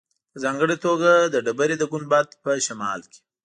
په ځانګړې توګه د ډبرې د ګنبد په شمال کې.